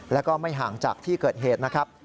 แล้วก็ไม่ห่างจากที่เกิดเหตุนะครับ